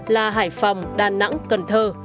là hải phòng đà nẵng cần thơ